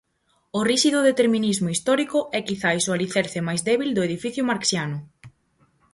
O ríxido determinismo histórico é quizais o alicerce máis débil do edificio marxiano.